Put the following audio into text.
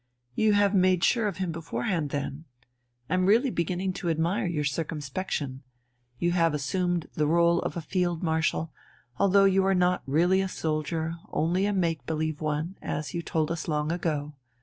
"You have made sure of him beforehand, then? I'm really beginning to admire your circumspection. You have assumed the rôle of a Field Marshal, although you are not really a soldier, only a make believe one, as you told us long ago.